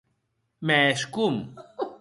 Mès com?